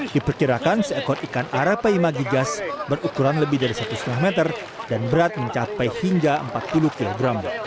diperkirakan seekor ikan arapaima gigas berukuran lebih dari satu lima meter dan berat mencapai hingga empat puluh kg